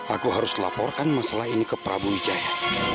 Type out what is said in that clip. aku harus laporkan masalah ini ke prabu wijaya